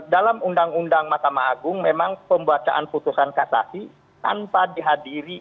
dalam undang undang mahkamah agung memang pembacaan putusan kasasi tanpa dihadiri